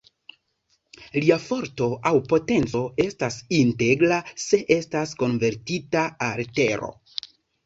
Lia forto aŭ potenco estas integra se estas konvertita al tero.